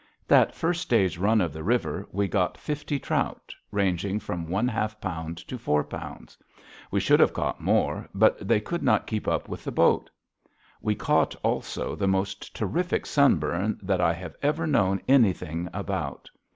That first day's run of the river we got fifty trout, ranging from one half pound to four pounds. We should have caught more, but they could not keep up with the boat. We caught, also, the most terrific sunburn that I have ever known anything about.